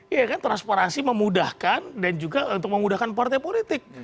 iya kan transparansi memudahkan dan juga untuk memudahkan partai politik